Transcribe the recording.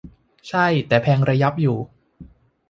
ใช่ แต่แพงระยับอยู่